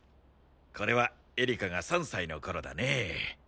これはエリカが３歳の頃だね。